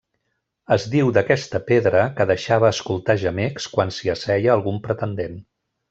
Es diu d'aquesta pedra que deixava escoltar gemecs quan s'hi asseia algun pretendent.